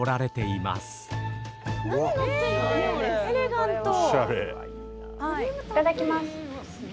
いただきます。